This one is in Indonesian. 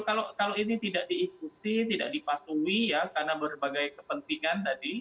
kalau ini tidak diikuti tidak dipatuhi ya karena berbagai kepentingan tadi